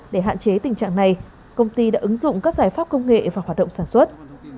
để hạn chế tình trạng này công ty đã ứng dụng các giải pháp công nghệ và hoạt động sản xuất